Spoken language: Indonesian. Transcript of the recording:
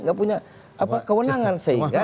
gak punya kewenangan